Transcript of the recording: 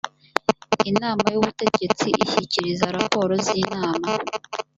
inama y ubutegetsi ishyikiriza raporo z inama